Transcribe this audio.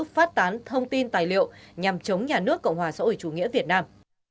phát tán thông tin tài liệu nhằm chống nhà nước cộng hòa xã hội chủ nghĩa việt nam